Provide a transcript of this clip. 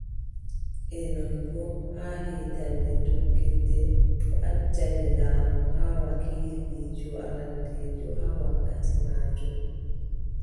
E non boo, haa hiitannde tokkiinde, o accani laamu haa, wakiliijo arandeejo haa wakkati maajum.